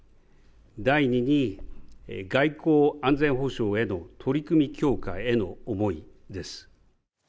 第２に、外交安全保障への取り組み強化への思いです。